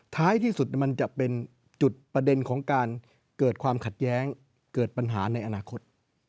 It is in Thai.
ท้ายที่สุดมันจะเป็นจุดประเด็นของการเกิดความขัดแย้งเกิดปัญหาในอนาคต